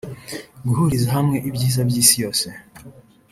guhuriza hamwe ibyiza by’Isi yose